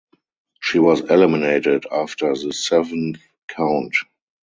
She was eliminated after the seventh count.